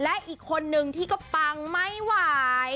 และคนหนึ่งที่ก็ปังไม่หวาย